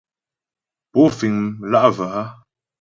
Pó fíŋ mlǎ'və a ?